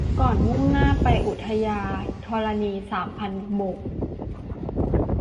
ก่อนมุ่งหน้าไปอุทยาธรณีสามพันโบก